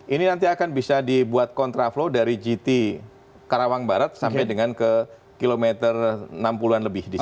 ini nanti akan bisa dibuat kontraflow dari gt karawang barat sampai dengan ke kilometer enam puluh an lebih di sini